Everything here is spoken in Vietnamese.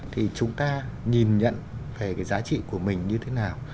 thì chúng ta nhìn nhận về cái giá trị của mình như thế nào